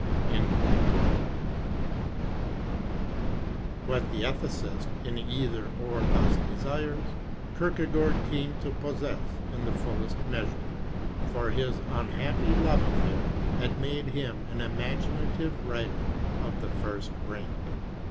What the estheticist in Either — Or thus desires, Kierkegaard came to possess in the fullest measure; for his unhappy love affair had made him an imaginative writer of the first rank.